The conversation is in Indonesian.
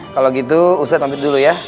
kalau gitu ustadz mampir dulu ya